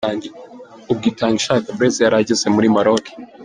Ubwo Itangishaka Blaise yari ageze muri Maroc .